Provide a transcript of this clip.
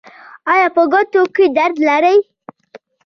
ایا په ګوتو کې درد لرئ؟